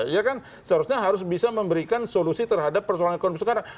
ya kan seharusnya harus bisa memberikan solusi terhadap persoalan ekonomi sekarang